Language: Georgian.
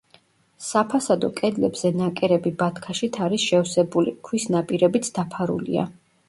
საფასადო კედლებზე ნაკერები ბათქაშით არის შევსებული, ქვის ნაპირებიც დაფარულია.